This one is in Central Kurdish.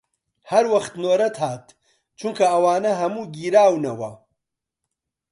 هەر وەخت نۆرەت هات، چونکە ئەوانە هەموو گیراونەوە